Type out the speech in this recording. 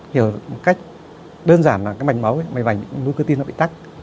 hiểu một cách đơn giản là mạch máu mạch mạch lúc cơ tim bị tắt